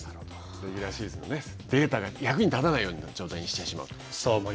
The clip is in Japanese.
レギュラーシーズンのデータが役に立たないようにしてしまうと。